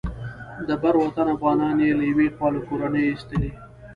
د بر وطن افغانان یې له یوې خوا له کورونو ایستلي.